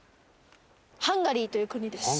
ハンガリーという国です。